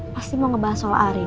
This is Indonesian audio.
pasti mau ngebahas soal ari